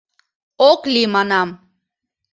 — Ок лий манам.